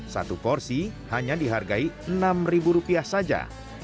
satu porsi hanya dihargai rp enam saja